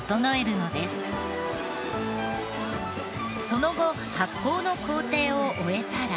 その後発酵の工程を終えたら。